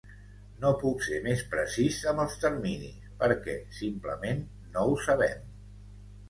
No puc ser més precís amb els terminis perquè simplement no ho sabem.